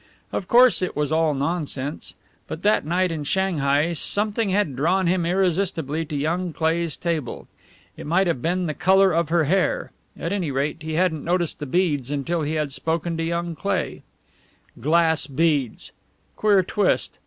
Of course it was all nonsense. But that night in Shanghai something had drawn him irresistibly to young Cleigh's table. It might have been the colour of her hair. At any rate, he hadn't noticed the beads until he had spoken to young Cleigh. Glass beads! Queer twist.